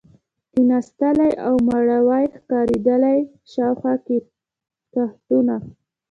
کېناستلې او مړاوې ښکارېدلې، شاوخوا کښتونه.